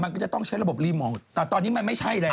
มันก็จะต้องใช้ระบบรีมองค์แต่ตอนนี้มันไม่ใช่เลย